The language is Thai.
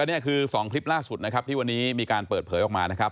นี่คือ๒คลิปล่าสุดนะครับที่วันนี้มีการเปิดเผยออกมานะครับ